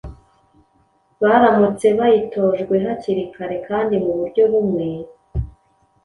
baramutse bayitojwe hakiri kare kandi mu buryo bumwe.